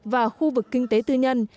và khu vực kinh tế tư nhân